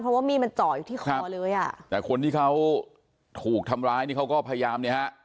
เพราะว่ามีดมันเจาะอยู่ที่คอเลยอ่ะแต่คนที่เขาถูกทำร้ายนี่เขาก็พยายามเนี่ยฮะ